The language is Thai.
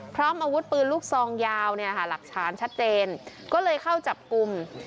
พร้อมอาวุธปืนลูกซองยาวเนี่ยค่ะหลักฐานชัดเจนก็เลยเข้าจับกลุ่ม